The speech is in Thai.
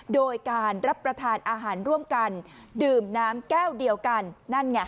โดยการรับประทานอาหารร่วมกันดื่มน้ำแก้วเดียวกันนั่นไง